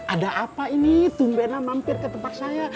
ada apa ini tumbena mampir ke tempat saya